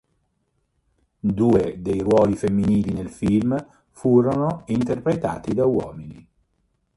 Due dei ruoli femminili nel film furono interpretati da uomini.